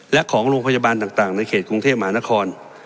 และของโรงพยาบาลต่างในเขตกรุงเทพมหานคร